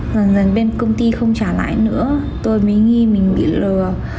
rằng ràng bên công ty không trả lãi nữa tôi mới nghĩ mình bị lừa